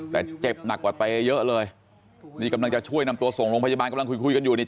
แต่เจ็บหนักกว่าเตเยอะเลยนี่กำลังจะช่วยนำตัวส่งโรงพยาบาลกำลังคุยคุยกันอยู่นี่